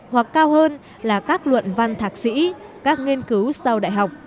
hoặc cao hơn là các luận văn thạc sĩ các nghiên cứu sau đại học